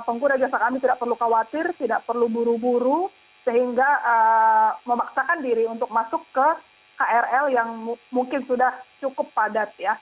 pengguna jasa kami tidak perlu khawatir tidak perlu buru buru sehingga memaksakan diri untuk masuk ke krl yang mungkin sudah cukup padat ya